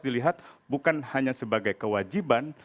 dilihat bukan hanya sebagai kewajiban